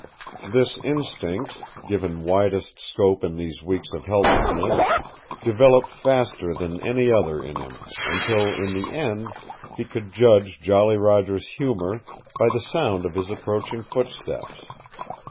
This instinct, given widest scope in these weeks of helplessness, developed faster than any other in him, until in the end, he could judge Jolly Roger's humor by the sound of his approaching footsteps.